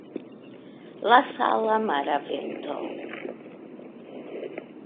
La sala mara vento!